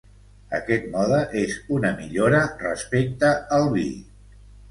Aquest mode és una millora respecte al vi.